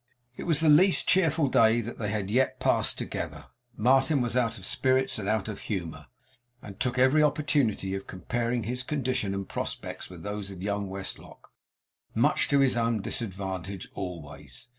It was the least cheerful day they had yet passed together. Martin was out of spirits and out of humour, and took every opportunity of comparing his condition and prospects with those of young Westlock; much to his own disadvantage always.